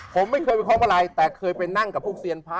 ผมไม่เคยไปคล้องอะไรแต่เคยไปนั่งกับพวกเซียนพระ